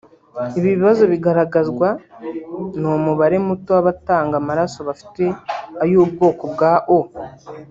Ibindi bibazo bigaragazwa ni umubare muto wabatanga amaraso bafite ay’ubwoko bwa O